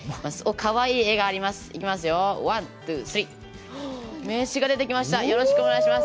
かわいい絵があります。